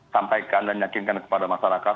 sampaikan dan yakinkan kepada masyarakat